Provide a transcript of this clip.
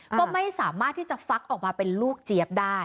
ก็ไม่สามารถที่จะฟักออกมาเป็นลูกเจี๊ยบได้